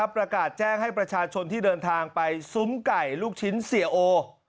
ประกาศแจ้งให้ประชาชนที่เดินทางไปซุ้มไก่ลูกชิ้นเสียโอ